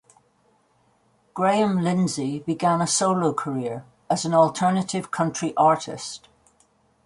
Graham Lindsey began a solo career as an alternative country artist.